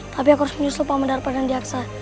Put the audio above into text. tapi aku harus menyusul pak mendarpa dan diaksa